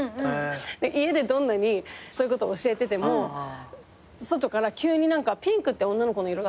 家でどんなにそういうこと教えてても外から急に「ピンクって女の子の色だから」って。